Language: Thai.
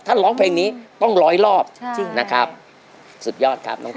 ถ้าร้องเพลงนี้ต้องร้อยรอบจริงนะครับสุดยอดครับน้อง